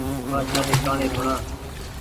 بآڇآ ري ڪهآڻي سوڻا